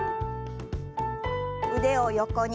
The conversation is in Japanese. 腕を横に。